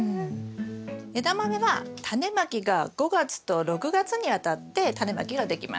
エダマメはタネまきが５月と６月にわたってタネまきができます。